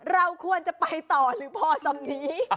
เราควรจะไปต่อหรือพอสำนี